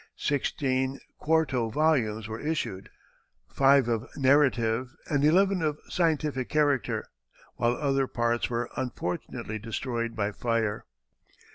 Sixteen quarto volumes were issued, five of narrative and eleven of a scientific character, while other parts were unfortunately destroyed by fire.